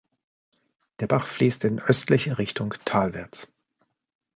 Der Bach fließt in östlicher Richtung talwärts.